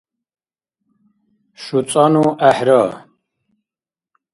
шуцӀанну гӀехӀра